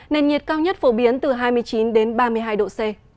nền nhiệt cao nhất phổ biến từ hai mươi chín đến ba mươi hai độ c